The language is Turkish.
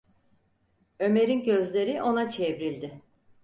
Ömer’in gözleri ona çevrildi.